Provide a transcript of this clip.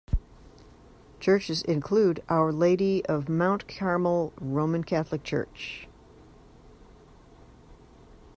Churches include Our Lady of Mount Carmel Roman Catholic Church.